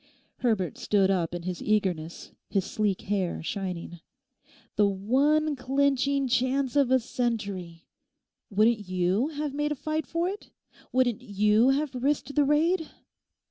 Herbert stood up in his eagerness, his sleek hair shining. 'The one clinching chance of a century! Wouldn't you have made a fight for it? Wouldn't you have risked the raid?